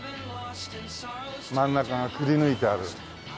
真ん中がくりぬいてある。